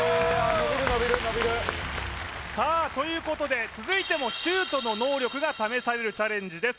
伸びる伸びる伸びるさあということで続いてもシュートの能力が試されるチャレンジです